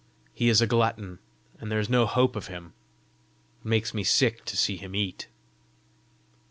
He is a glutton, and there is no hope of him. It makes me sick to see him eat!"